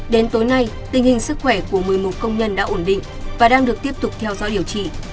đến tối nay tình hình sức khỏe của một mươi một công nhân đã ổn định và đang được tiếp tục theo dõi điều trị